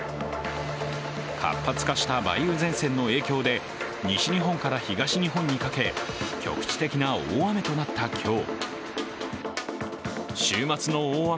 活発化した梅雨前線の影響で西日本から東日本にかけ局地的な大雨となった今日。